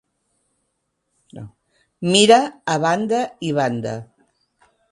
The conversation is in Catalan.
Mira a banda i banda.